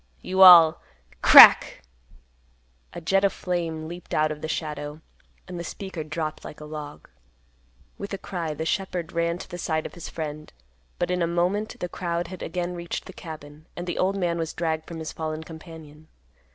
You all—" Crack! A jet of flame leaped out of the shadow, and the speaker dropped like a log. With a cry the shepherd ran to the side of his friend; but in a moment the crowd had again reached the cabin, and the old man was dragged from his fallen companion.